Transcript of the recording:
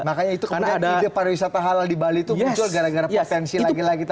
makanya itu kemudian ide pariwisata halal di bali itu muncul gara gara potensi lagi lagi